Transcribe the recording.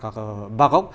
chương trình ca nhạc